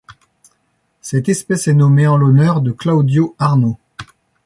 Cette espèce est nommée en l'honneur de Claudio Arnò.